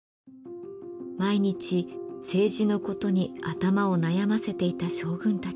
毎日政治のことに頭を悩ませていた将軍たち。